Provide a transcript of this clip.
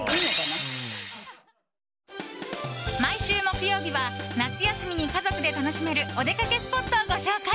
毎週木曜日は夏休みに家族で楽しめるお出かけスポットをご紹介。